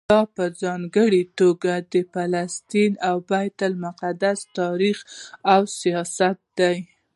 دا په ځانګړي توګه د فلسطین او بیت المقدس تاریخ او سیاست دی.